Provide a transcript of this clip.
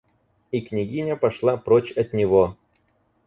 И княгиня пошла прочь от него.